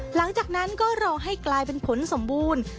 หลังจากนั้นก็รอให้กลายเป็นผลสมบูรณ์